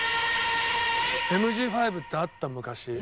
ＭＧ５ってあった昔。